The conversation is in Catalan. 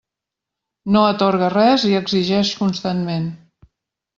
No atorga res i exigeix constantment.